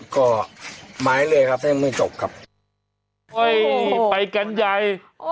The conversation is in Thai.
ก็มาได้เลยครับถ้ายังไม่จบครับโอ้โหไปการใย